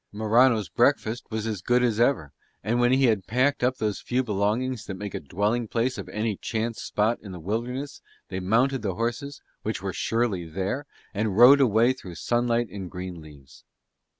Morano's breakfast was as good as ever; and, when he had packed up those few belongings that make a dwelling place of any chance spot in the wilderness, they mounted the horses, which were surely there, and rode away through sunlight and green leaves.